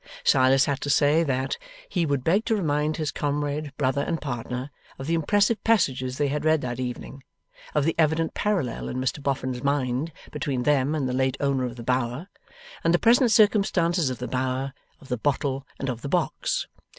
Silas had to say That, he would beg to remind his comrade, brother, and partner, of the impressive passages they had read that evening; of the evident parallel in Mr Boffin's mind between them and the late owner of the Bower, and the present circumstances of the Bower; of the bottle; and of the box.